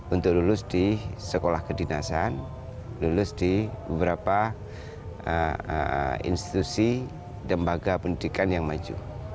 untuk lulus di sekolah kedinasan lulus di beberapa institusi lembaga pendidikan yang maju